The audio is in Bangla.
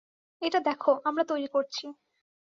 এটা দেখো, আমরা তৈরি করছি।